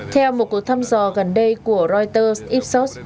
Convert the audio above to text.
theo một cuộc thăm dò gần đây của reuters ipsos